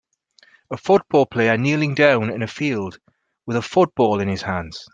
A football player kneeling down in a field with a football in his hands.